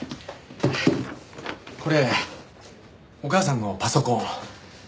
これお母さんのパソコン。